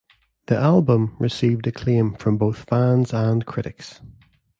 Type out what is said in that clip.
The album received acclaim from both fans and critics.